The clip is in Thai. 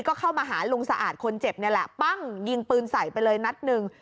ก็เข้ามาหาลุงสะอาดคนเจ็บนี่แหละปั้งยิงปืนใส่ไปเลยนัดหนึ่ง